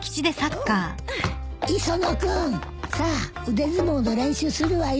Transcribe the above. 磯野君さあ腕相撲の練習するわよ。